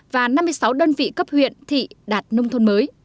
và năm mươi sáu đơn vị cấp huyện thị đạt nông thôn mới